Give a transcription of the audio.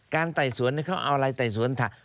ไต่สวนเขาเอาอะไรไต่สวนถาม